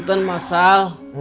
ya apa kabar